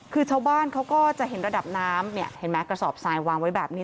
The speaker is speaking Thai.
คือชาวบ้านเขาก็จะเห็นระดับน้ำเนี่ยเห็นไหมกระสอบทรายวางไว้แบบนี้